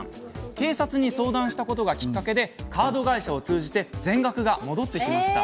警察に相談したことがきっかけでカード会社を通じて全額が戻ってきました。